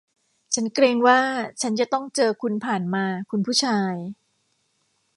ฉันเกรงว่าฉันจะต้องเจอคุณผ่านมา คุณผู้ชาย